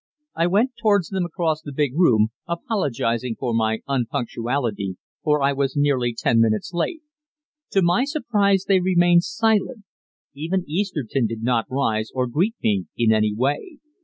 I went towards them across the big room, apologizing for my unpunctuality, for I was nearly ten minutes late. To my surprise they remained silent; even Easterton did not rise, or greet me in any way.